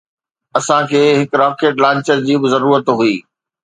اسان کي هڪ راڪيٽ لانچر جي به ضرورت هئي